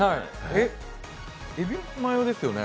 えっ、エビマヨですよね？